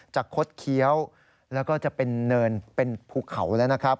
คดเคี้ยวแล้วก็จะเป็นเนินเป็นภูเขาแล้วนะครับ